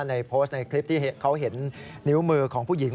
ในโพสต์ในคลิปที่เขาเห็นนิ้วมือของผู้หญิง